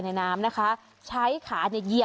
ในน้ำนะคะใช้ขาเนี่ย